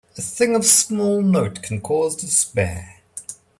A thing of small note can cause despair.